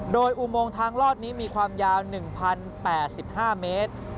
โดยอุโมงทางลอดนี้มีความยาว๑๐๘๕เมตร